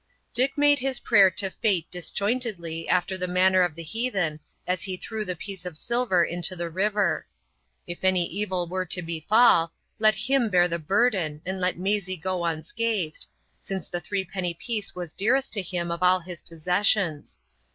Dick made his prayer to Fate disjointedly after the manner of the heathen as he threw the piece of silver into the river. If any evil were to befal, let him bear the burden and let Maisie go unscathed, since the threepenny piece was dearest to him of all his possessions.